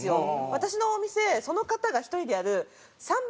私のお店その方が１人でやるサンバ